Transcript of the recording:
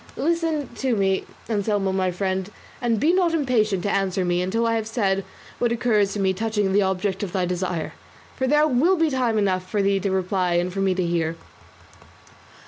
Listen to me, Anselmo my friend, and be not impatient to answer me until I have said what occurs to me touching the object of thy desire, for there will be time enough left for thee to reply and for me to hear."